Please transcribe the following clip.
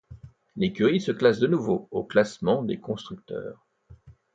L'écurie se classe de nouveau au classement des constructeurs.